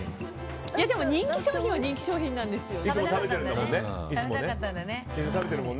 人気商品は人気商品なんですよ。